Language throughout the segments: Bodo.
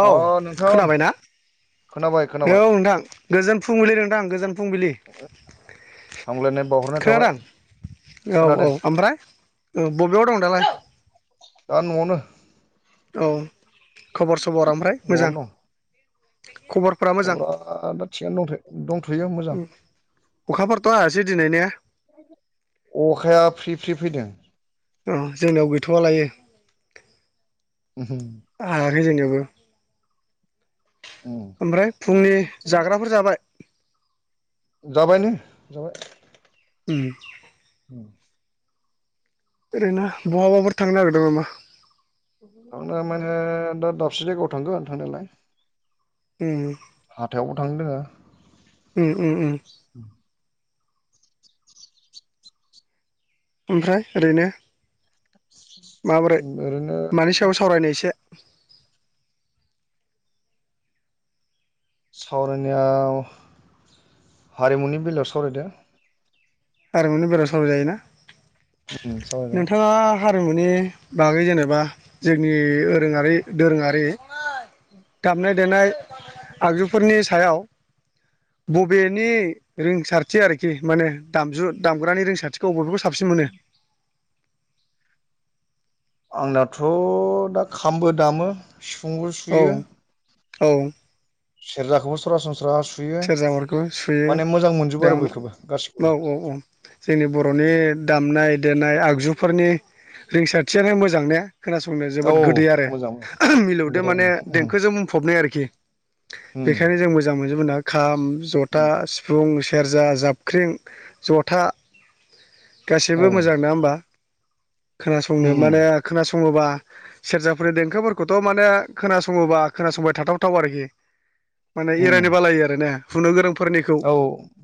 औ अ नोंथां खोनाबाय ना? खोनाबाय औ खोनाबाय नोंथां गोजोन फुंबिलि नोंथां गोजोन फुंबिलि। हामलायनाय बावहरनाय खोनादों थाबाय। औ औ खोनादों ओमफ्राय बबेयाव दं दालाय? दा न'आवनो। औ खबर सबर ओमफ्राय मोजां? न'आवनो दं खबरफोरा मोजां खबरा दा थिगानो दंथ' दंथ'यो मोजां। अखा हायासै दिनै ने अखाया फ्रि फ्रि फैदों। औ जोंनियाव गैथ'वा लायो। [unintelligible] [unintelligible] ओमफ्राय फुंनि जाग्राफोर जाबाय? जाबाय नो जाबाय। ओम। [inaudible] ओरैनो बहाबाफोर थांनो नागिरदों नामा? थांनो माने दा दाबसे जायगायाव थांगोन थांनायालाय। उम हाथायावबो थांनो दोङो। उम उम उम ओमफ्राय ओरैनो माबोरै ओरैनो मानि सायाव सावरायनो एसे सावरायनायाव हारिमुनि बेलायाव सावरायदो। हारिमुनि बेलायाव सावरायजायोना। उम सावरायजागोन। नोंथाङा हारिमुनि बागै जेनेबा जोंनि ओरोङारि दोरोङारि। दामनाय देनाय आगजुफोरनि सायाव बबेनि रिंसारथि आरोखि माने दामजु दामग्रानि रिंसारथिखौ अबे अबेखौ साबसिन मोनो आंनाथ' दा खामबो दामो सिफुंबो औ सुयो। औ। सेरजाखौबो सरासन सेरजाफोरखौ सुयो मोजां मोनजोबो दा आरो बयखौबो गासिखौबो औ औ औ जोंनि बर' नि दामनाय देनाय आगजुफोरनि रिंसारथियानो मोजां ने। खोनासंनो औ जोबोद गोदै आरो मोजां नंगौ मिलौदो दे उम माने देंखोजों बुंफबनाय आरोखि। उम बेखायनो जों मोजां मोनजोबोना खाम जथा उम सिफुं से सेरजा जाबख्रिं जथा औ गासिबो मोजां नङा होमबा। खोनासंनो उम माने खोनासं संओबा सेरजाफोरनि देंखोफोरखौथ' माने खोनासङोबा खोनासंबाय थाथावथाव आरोखि माने एरायनो उम बालायो आरो ने हुनो गोरों फोरनिखौ औ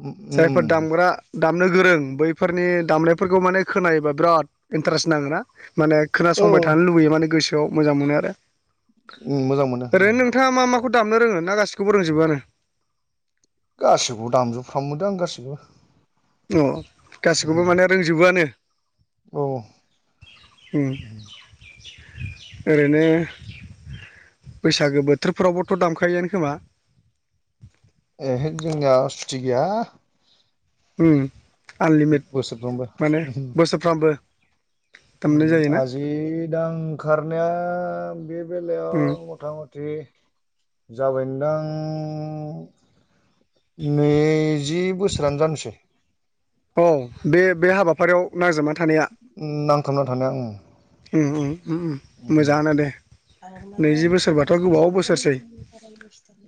उम जायफोर उम दामग्रा दाम नो गोरों बैफोरनि दामनायफोरखौ माने खोनायोबा बिराद इन्टारेस्ट नाङोना माने औ खोनासंबाय थानो लुबैयो माने गोसोआव मोजां मोनो आरो। ओम मोजां मोनो ओम खौ दामनो रोङो ना गासिखौबो रोंजोबोआनो गासिबखौबो दामजोबफ्रामोदां गासिखौबो अ गासिखौबो माने रोंजोबोआनो औ उम ओरैनो बैसागो बोथोरफोरावबोथ दामखायोआनो खोमा ह जोंा सटि गैया आनलिमिटेद बोसोरफ्रोमबो माने उम बोसोरफ्रामबो दामनाय जायोना आजि दां खखारनाया बे उम बेलायाव मथा मथि [inaudible] जाबाय नदां नैजि बोसोरानो जानोसै औ बे बे हाबाफारियाव नांजोबोन नांथाबना थानाया आं उम उम मोजाङानो दे म नैजि बोसोरबाथ' मसला गोबाव स बोसोरसै नि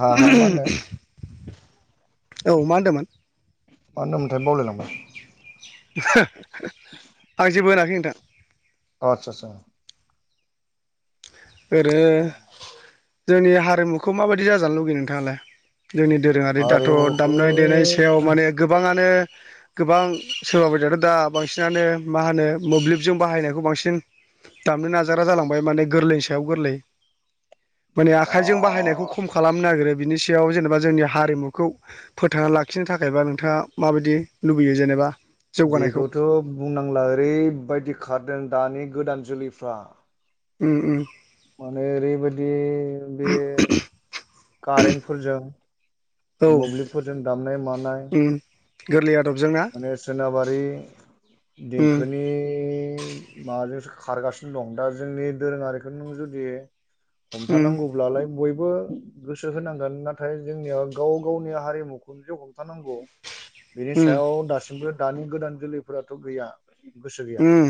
हा हा मा औ मा होनदोंमोन होनो मद मोनथाय बल म आं जेबो होनाखै नोंथां आतसा आतसा ओरैनो जोंनि हारिमुखौ माबायदि जाजानो लुगैयो नोंथाङालाय जोंनि दोरोङारि दाथ हारिमुखौ दामनाय देनाय सायाव माने गोबाङानो गोबां सोरबा बदिाथ दा बांसिनानो मा होनो मोब्लिबजों बाहायनायखौ बांसिन दामनो नाजारा जालांबाय माने गोरलै गै मान बा आ बायनाय खनो बिनि सायाव जेनेबा जोंनि हारिमुखौ फोथांना लाखिनो थाखायबा नोंथाङा माबायदि लुबैयो जेनेबा जौगानायखौ बेखौथ' बुंनांला ओरैबायदि खारदों दानि गोदान जुलिैफ्रा उ उ माने ओरैबायदि बे कारेन्टफोरजों औ मोब्लिबफोरजों दामनाय मानाय गोरललियाद माने सोनाबारि उम देंखोनि माबाजोंसो खारगासिनो दं दा जोंनि दोरोङारिखौ नों जुदि उम हमथानांगौब्लालाय बयबो गोसो होनांगोन नाथाय जोंनियाव गाव गावनि हारिमुखौनो जे हमथानांगौ बेनि उम सायाव दासिमबो दानि गोदान जोलैफोराथ' गैया गोसो गैया उम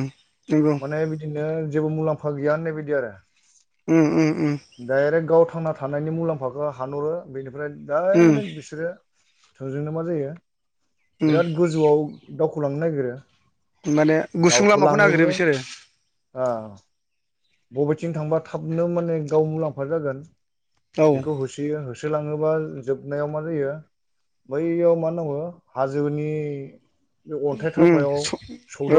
नंगौ माने बिदिनो जेबो मुलाम्फा गैया होननाय बायदि आरो [unintelligible] डाइरेक्ट गाव थांना थानायनि मुलाम्फाखौ हानहरो बेनिफ्राय उम डाइरेक्ट बिसोरो थोंजोंनो मा जायो उम बिराद गोजौआव दावखलांनो नागिरो माने गुसुं लामाखौ नागिरो दावखोलाङोबो बिसोरो बबेथिं थांबा थाबनो माने गाव मुलाम्फा जागोन औ बेखौ होसोयो होसोलाङोबा जोबनायाव मा जायो बैयाव मा नांगौ हाजोनि बे अन्थाइ उम थाफायाव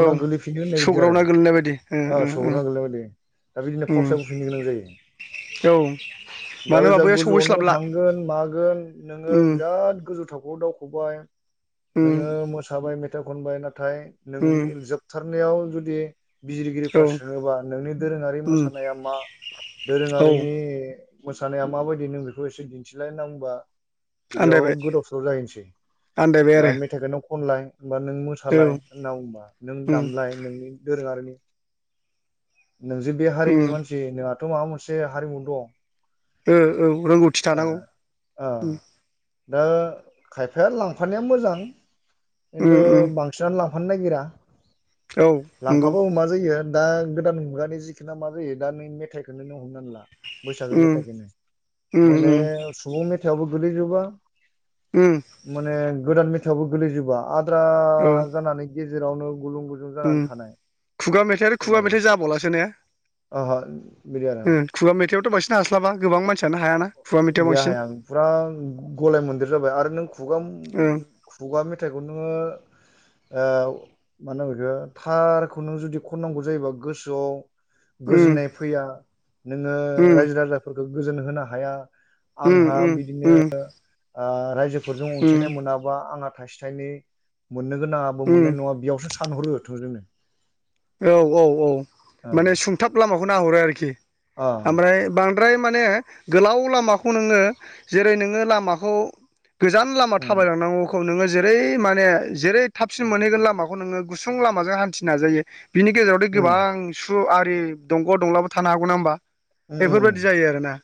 औ गोगलैफिनो होननाय बायदि सौग्रावना गोलैनाय बायदि उम आरो उम उम सौदना गोलैनाय बायदि दा बिदिनो उम फावसबोफिनो गोनां जायो औ मानो होनबा दाजा बैयाव गोजौआवनो सहैस्लाबला थांगोन मागोन नोङो उम बिराद गोजौ थावखौआव दावख'बाय उम नोङो मोसाबाय मेथाइ खनबाय ना नाथाय उम नोंनि जोबथारनायाव जुदि औ बिजिरगिरिफ्रा सोङोबा नोंनि ङारि उम मोसानाया मा औ दोरोङारिनि मोसानाया माबायदि नों बेखौ एसे दिन्थिलाय होनना बुंबा बेयाव आन्दायबाय गोदाव सोराव जाहैनसै आन्दायबाय दा आरो मेथाइखोनो खनलाय होमबा नों मोसालाय औ होनना बुंबा नों उम दामलाय नोंनि दोरोङारिनि नोंजे बे हारिनि उम मानसि नोंहाथ' माबा मोनसे हारिमु दं ओ औ रोंगौथि ओ थानांगौ ओ उम दा खायफाया लांफानाया मोजां उम खिन्तु उम बांसिनानो लां फानो नागिरा औ नंगौ लांफाबाबो मा जायो दा गोदान मुगा मेजिखोना मा जायो दा नों मेथाइखोनो नों हमनान ला बैसागो उम मेथाइखोनो उम माने उम सुबुं मेथाइआवबो गोलैजोबा उम माने गोदान मेथायावबो गोलैजोबा आद्रा औ जानानै गेजेरावनो गुलुं गुजुं जानानै थानाय थाइ आरो खुगा मेथाइ जाबावलासो ने ओहो बिदि आरो उम खुगा मेथाइआवथ' बांसिन हास्लाबा गोबां मानसियानो हायाना खुगा मेथाइआव बांसिन गैयाहाया ओं फुरा गलाय मोनदेर जाबाय आरो नों ओं खुगा-खुगा मेथाइखौ खुनु ओ मा होनो बेखो थार खौ नों जुदि खननांगौ जायोबा गोसोआव उम गोजोननाय फैया नोङो उम रायजो राजाफोरखो गोजोन होनो हाया उम आंहा उम बिदिनो उम ओ रायजोफोरजों उम अनसायनाय मोनाबा आंहा थाइसे थाइनै मोननो गोनाङाबो उम मोननाय नङा बेयावसो सानहरो थोंजोंनो औ औ औ ओ माने सुंथाब लामाखौ नाहरो आरोखि ओ ओमफ्राय बांद्राय माने गोलाव लामाखौ नोङो जेरै नोङो लामाखौ गोजान लामा उम थाबायलांनांगौखौ नोङो जेरै माने जेरै थाबसिन मोनहैगोन लामाखौ नोङो गुसुं लामाजों हान्थि नाजायो बिनि गेजेरादि उम गोबां सु आरि दंग' दंलाबो थानो हागौ नङा होमबा उम बेफोरबादि जायो आरोना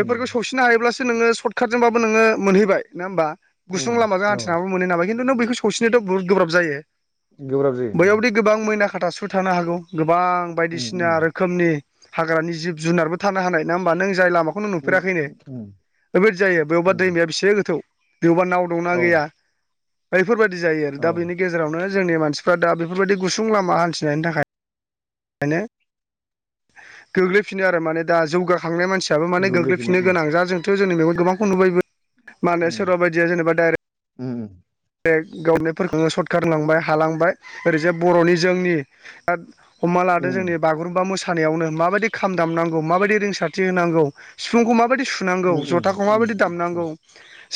उम सौसिनो हायोब्लासो नोङो सर्ट काटजोंबाबो नोङो मोनहैबाया होनबा उम गुसुं लामाजों उम औ हान्थिनानैबो मोनैनो हायबाय खिनथु नों खौ सौसिनोथ' बहुत गोब्राब जायो गोब्राब जायो [unintelligible] खाथा सु थानो हागौ गोबां उम बायदिसिना रोखोमनि हाग्रानि जिब जुनारबो थानो हानाय नोङामबा नों जाय लामा खौनो उम नुफेराखैनो उम बे बायदि जायो बेयावबा उम दैमाया बेसे गोथौ बेवबा नाव दंना औ गैया बेफोरबायाददि जायो आरो दा औ बेनि गेजेरावनो जोंनि मानसिफ्रा दा बेफोरबायदि गुस सुं लामा हान्थिनायनि थाखाय नो गोग्लैफिनो आरो माने दा जौगाखांनाय मान सियाबो माने गोग्लैफिनो गोग्लैफिननो गोनां जा जोंथ' जोंनि [unintelligible] गोबांखौ नुबायबो मानो सोरबा बायदिया जेनेबा डाइरेक्ट उम उम [unintelligible] गावनायफोरखौनो सर्टकाट होलांबाय हालांबाय ओरैजाय बर'नि जोंनि हमना लादो उम जोंनि बागुरुम्बा मोसानायावनो माबायदि खाम दामनांगौ माबायदि रिंसारथि होनांगौ सिफुंखौ माबायदि सुनांगौ उम उम जथाखौ माबायदि उम दामनांगौ उम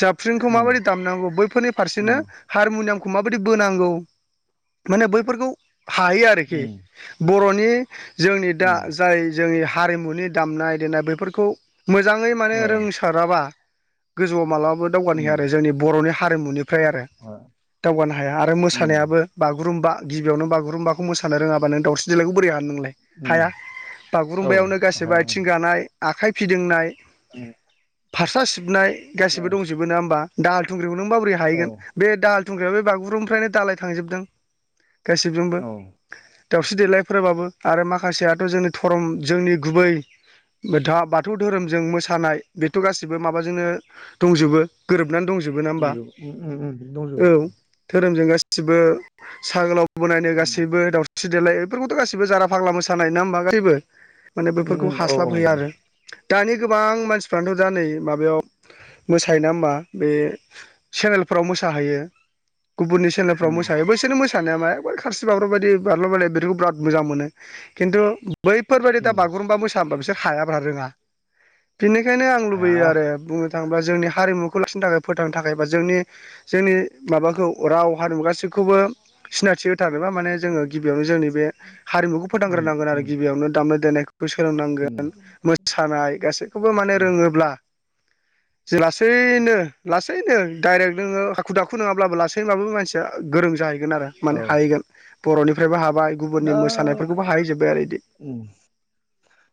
जाफ्रिंखौ उम माबायदि दामनांगौ बैफोरनि उम [unintelligible] हारमुनियामखौ माबायदि बोनांगौ माने बैफोरखौ हायो आरोखि उम बर'नि जोंनि दा उम जाय जोंनि हारिमुनि दामनाय देनाय बेफोरखौ मोजाङै माने औ रोंसाराबा गोजौआव मालाबाबो दावगानो होया उम आरो जोंनि बर'नि हारिमुनि फ्राय आरो आ दावगानो हाया आरो उम मोसानायाबो बागुरुम्बा गिबियावनो बागुरुमबा मोसानो रोङाबा नों दावसिन जेलायखौ बोरै हानो नोंलाय उम हाया औ बागुरुम्बायावनो गासिबो हाया उम आथिं गानाय आखाइ फिदिंनाय [unintelligible] फास्रा सिबनाय गासिबो उम दंजोबो नङा होमबा दाहाल थुंग्रिखौ नों माबोरै ओ हाहैगोन बे दाहाल थुंग्रिया बे बागुरुमनिफ्रायनो दालाय थांजोबदों गासिफ्रोमबो औ औ दाावस्रि देलायफोराबाबो आरो माखासेयाथ' जोंनि धरम जोंनि गुबै दा बाथौ धोरोमजों मोसानाय बेथ' गासैबो माबाजोंनो दंजोबो गोरोब नानै दंजोबो ना होमबा उम उम उम औ दंजोबो धोरोमजों गासिबो सा गोलाव ब नायनो उम गासैबो दावस्रि देलाय बेफोरखौथ' गाैबो जारा फाग्ला मोानाय नङा होमबा गासैबो माने उम बेफोरखौ उम औ हास्लाब औ होया आरो। दानि गोबां मानसिफ्रानोथ' दा नै माबायाव मोसायोना होमबा बे सेनेलफ्राव मोसाहोयो गुबुननि सेनेलफ्राव उम मोसाहोयो बैसोर मोसायो मा खानसि बाब्राब' बायदि बारल'ब बल बेखौ बिराद मोजां मोनो खिन्थु बैफोरबायदि दा उम बागुरुम्बा मोसानोबा बिसोर हायाब्रा रोङा बेनिखायनो आं लुबैयो हाया आरो बुंनो थाङोब्ला जोंनि हारिमुखौ लाखिनो थाखाय फोथांनो थाखाय जोंनि जोंनि माबाखौ राव हारिमु गासैखौबो सिनायथि होथारोबा माने जोङो गिबियावनो जोंनि बे हारिमुखौ उम फोथांग्रोनांगोन आरो उम गिबियावनो दामनाय देनायखौ खौ उम सोलोंनांगोन मोसानाय गासैखौबो माने उम रोङोब्ला जे लासैनो लासैनो। डाइरेक्ट नोङो हाखु दाखु नङाब्लाबो लासैब्लााबो मानसिया गोरों जाहैगोन आरो औ माने हाहैगोन। बर'निफ्रायबो हाबा गुबुननि दा मोसानायफोरखौबो हाहै जोब्बाय आरो बिदि उम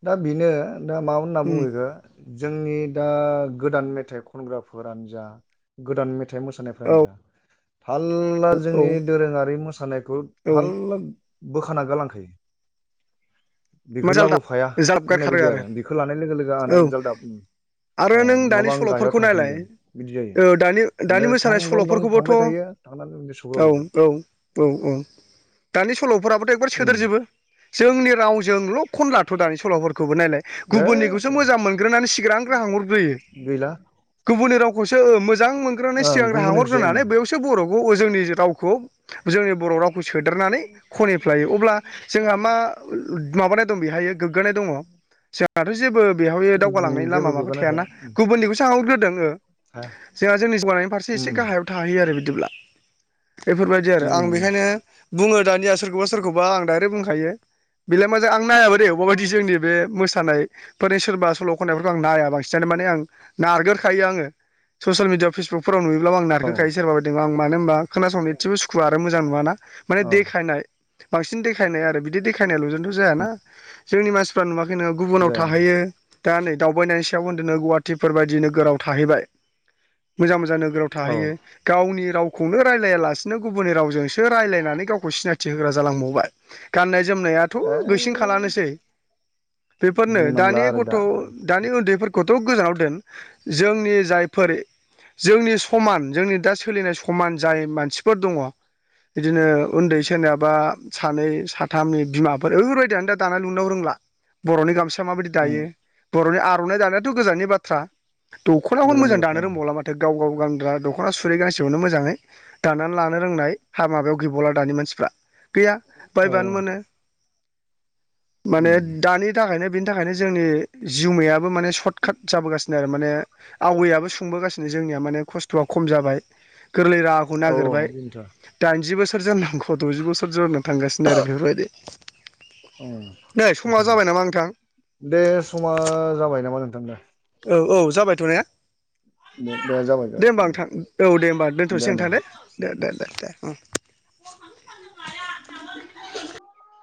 दा बेनो दा मा होनना बुङैगो जोंनि दा गोदान मेथाइ ख खगानो जा गोदान मेथ मोसानायानो औ जा थार्ला औ जोंनि दोरोङारि मोसानायखौ औ थाल्ला बोखाना गालांखायो मा बेखौ जालदा लाबोफाया होननाय बायदि आरो बेखौ लानाय लोगो लोगो औ आंना जालदा। आरो नों दानि सल'फोरखौ नायलाय बिदि जायो दानि दानि बेनिफ्राय थं मोसानाय दं दं सल'फोरखौबोथ' थांबाय थायो थांनानै बिदि औ सौग्रावजोबो औ औ औ। दानि सल'फोराबोथ' एकबार उम सोदेरजोबो जोंनि रावजोंल' खन लाथ' दानि सल'फोरखौ खौबो नायलाय एस गुबुननिखौसो मोजां मोनग्रोनानै सिग्रां ग्राहां हरग्रोयो गैला गुबुननि रावखौसो मोजां मोनग्रोनानै सिगांग्रो गुबुननिसो हाहरग्रोनानै बेयावसो बर' बर जोंनि रावखौ जोंनि बर' राव खौ सोदेरनानै खनहैफ्लायो अब्ला जोंहा मा माबानाय दं बेहायो गोग्गानाय दङ जोंहाथ' जेबो बेहाय दावगालांनायनि लामा जेबो माबा गोग्गानाय थाया थायाना गुबुननिखौसो आहरग्रोदों हाया जोंहा जोंनि जौगानायनि फारसे एसे उम गाहायाव थाहैयो आरो बिदि बेफोरबायदि आरो उम आं उम उम बेनिखायनो बुङो दानिया सोरखौबा सोरखौबा आं दाइरेक बुं खायो। बेलाय माजों आं नायाबो दे अबा बायदि जोंनि बे मोसानायफोरनि सोरबा सल' खननायफोरखौ आं नाया बांसिनानो माने आं नारगोरखायो आङो ससियेल मिडियाआव फेसबुक फुराव नयोब्ला आं औ नारखोखायो सोरबा बाय आं मानो होनब खोनासंनो एसेबोुव आरो मोजांनुआना माने औ देखायनाय बांसिन देखायनाय आरो बिदि देखायनायल' ज थ' जायाना जोंनि मानसिफ्रा नुवाखै नोङो गुबुनाव जाया थाहैयो दा नै दावबायनायनि सायाव होनदोंनो गुवाहाटिफोर बायदि नोगोराव थाहैबाय मोजां मोजां नोगोराव औ थाहैयो गावनि रावखौनो रायलाया लासिनो गुबुननि रावजोंसो रायजलायनानै गावखौ सिनायथि होग्रा जालांबावबाय गाननाय जोमनाय थ' गैसिन ओइ खालामानोसै बेफोरनो बुंनांला दानि आरो गथ' दा दानि उन्दैफोरखौथ' थ' गोजानाव दोन जोंनि जायफोर जोंनि समान जोंनि दा सोलिनाय समान जाय मानसिफोर दङ बिदिनो उन्दै सोरनियाबा सानै साथामनि बिमा ओैबायदियानो दा दानाय लुनायाव रोंला बर'नि गामसा माबायदि उम दायो बर'नि आर गोनि बाथ दखना गोजोननाय बाथ्रा मोजांनो रोंबावला माथ गाव गाव गान्रायदख'ना सुरि गांसेयावनो मोजाङै दानानै लानो रोंनाय हा माबायाव गिबला दानि मानसिफ्रा गैया औ बायबानो मोनो माने उम दानि थाखायनो बेनि थाखायनो जोंनि जिउमायाबो माने सर्ट काट जाबोगासिनो आरो माने आवैयाबो संबोगासिनो जोंनिया माने खस्थ'आ खम जाबाय गोरलै राहाखौ औ नागिरबाय औ बेनोथ' दाइनजि बोसोर जोरनांगौ द'जि बोसोर जनांगौ थांगासिनो आरो बेफोरबायदि । नामा नोंथां दे समा जाबाय नामा नों औ औ जाबायथ' ने? दे होमबा नोंथां औ दे होमबा दोनथ'नोसै नोंथां दे दे दे दे दे। उम।